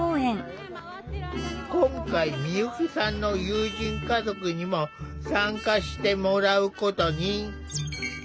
今回美由紀さんの友人家族にも参加してもらうことに。